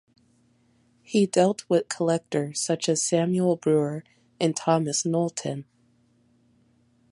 He dealt with collectors such as Samuel Brewer and Thomas Knowlton.